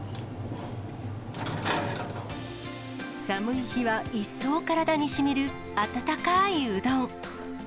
寒い日は一層体にしみる温かいうどん。